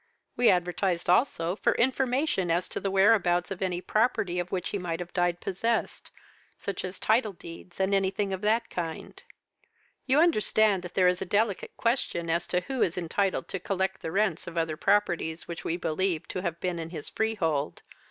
We advertised also for information as to the whereabouts of any property of which he might have died possessed such as title deeds, and anything of that kind. You understand that there is a delicate question as to who is entitled to collect the rents of other properties which we believe to have been his freehold.